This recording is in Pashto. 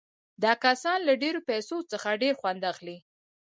دا کسان له ډېرو پیسو څخه ډېر خوند اخلي